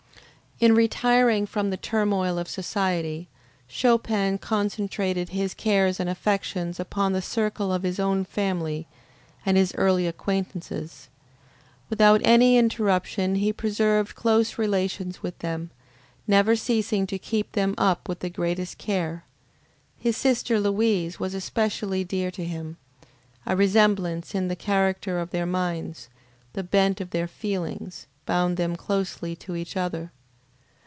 In retiring from the turmoil of society, Chopin concentrated his cares and affections upon the circle of his own family and his early acquaintances. Without any interruption he preserved close relations with them; never ceasing to keep them up with the greatest care. His sister Louise was especially dear to him, a resemblance in the character of their minds, the bent of their feelings, bound them closely to each other.